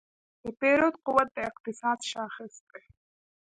د پیرود قوت د اقتصاد شاخص دی.